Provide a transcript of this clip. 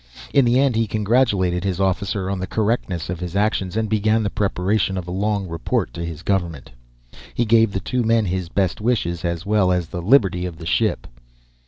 In the end he congratulated his officer on the correctness of his actions and began the preparation of a long report to his government. He gave the two men his best wishes as well as the liberty of the ship.